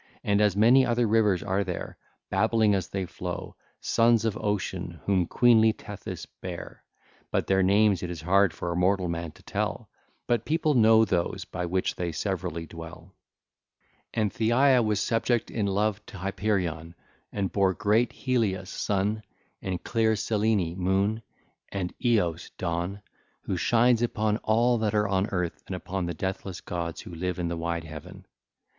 And as many other rivers are there, babbling as they flow, sons of Ocean, whom queenly Tethys bare, but their names it is hard for a mortal man to tell, but people know those by which they severally dwell. (ll. 371 374) And Theia was subject in love to Hyperion and bare great Helius (Sun) and clear Selene (Moon) and Eos (Dawn) who shines upon all that are on earth and upon the deathless Gods who live in the wide heaven.